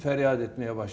mereka semua mulai berferiat